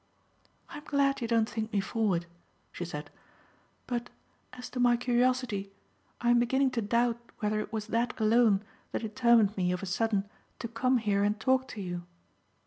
"I'm glad you don't think me forward," she said; "but, as to my curiosity, I am beginning to doubt whether it was that alone that determined me of a sudden to come here and talk to you.